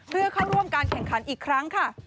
เพื่อเข้าร่วมการแข่งขันอีกครั้งค่ะ